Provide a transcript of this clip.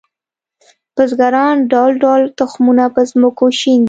بزګران ډول ډول تخمونه په ځمکو شیندي